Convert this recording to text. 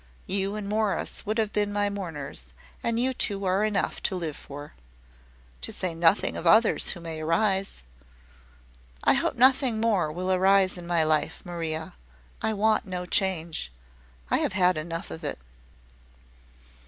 You and Morris would have been my mourners, and you two are enough to live for." "To say nothing of others who may arise." "I hope nothing more will arise in my life, Maria. I want no change. I have had enough of it."